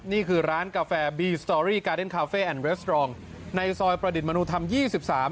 นี่คือร้านกาแฟบีสตอรี่การเดนท์คาเฟ่แอนด์เวสตรองในซอยประดิษฐ์มนุษย์ธรรม๒๓